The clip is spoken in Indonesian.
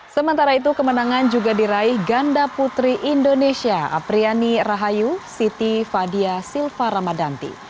sementara itu kemenangan juga diraih ganda putri indonesia apriani rahayu siti fadia silva ramadanti